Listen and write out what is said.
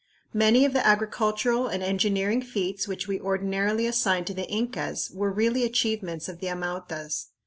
Many of the agricultural and engineering feats which we ordinarily assign to the Incas were really achievements of the Amautas.